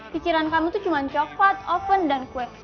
pikiran kamu itu cuma coklat oven dan kue